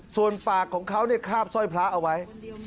ส่วนปากของเขาคาบสร้อยพระเอาไว้